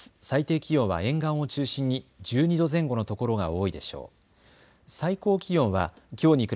最低気温は沿岸を中心に１２度前後の所が多いでしょう。